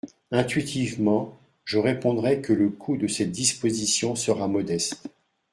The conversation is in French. Intuitivement, je répondrai que le coût de cette disposition sera modeste.